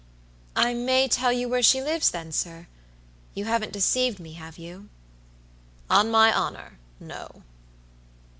I may tell you where she lives, then, sir? You haven't deceived me, have you?" "On my honor, no."